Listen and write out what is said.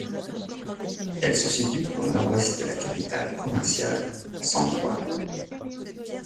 Elle se situe au nord-ouest de la capitale provinciale San Juan.